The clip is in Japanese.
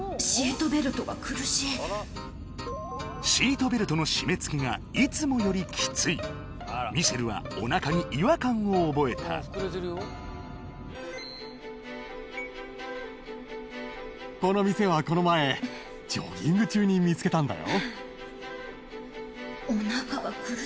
シートベルトの締めつけがいつもよりきついミシェルはおなかに違和感を覚えたこの店はこの前ジョギング中に見つけたんだよ